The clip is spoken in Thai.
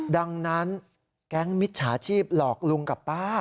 ดังนั้นแก๊งมิจฉาชีพหลอกลุงกับป้า